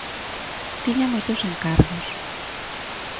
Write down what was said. Tiña moitos encargos.